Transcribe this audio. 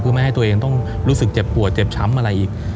เพื่อไม่ให้ตัวเองต้องรู้สึกเจ็บปวดเจ็บช้ำอะไรอีก